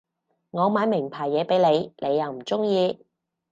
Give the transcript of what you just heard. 我買名牌嘢畀你你又唔中意